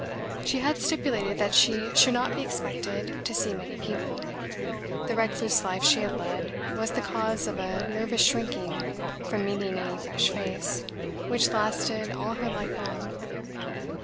She had stipulated that she should not be expected to see many people. The recluse life she had led, was the cause of a nervous shrinking from meeting any fresh face, which lasted all her life long.